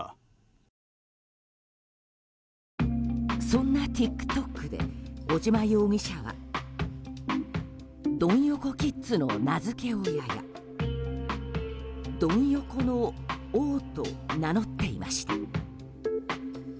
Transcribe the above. そんなＴｉｋＴｏｋで尾島容疑者はドン横キッズの名付け親やドン横の王と名乗っていました。